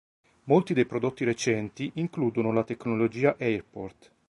Molti dei prodotti recenti includono la tecnologia AirPort.